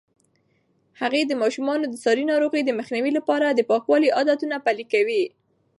هغې د ماشومانو د ساري ناروغیو د مخنیوي لپاره د پاکوالي عادتونه پلي کوي.